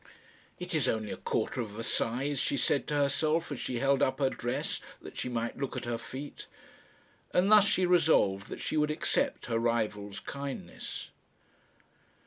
"It is only a quarter of a size," she said to herself, as she held up her dress that she might look at her feet. And thus she resolved that she would accept her rival's kindness.